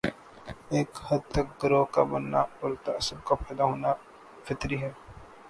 ایک حد تک گروہ کا بننا اور تعصب کا پیدا ہونا فطری ہے۔